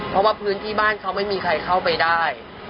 เพราะว่าพื้นที่บ้านเขาไม่มีใครเข้าไปได้